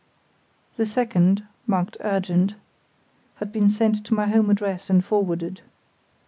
The second (marked "urgent") had been sent to my home address and forwarded.